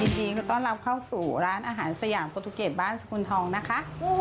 จริงแล้วต้อนรับเข้าสู่ร้านอาหารสยามโปรตุเกตบ้านสกุลทองนะคะ